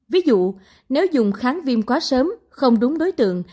ví dụ nếu dùng kháng viêm quá sớm không đúng đối tượng